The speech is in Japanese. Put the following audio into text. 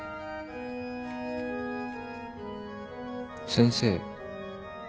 先生。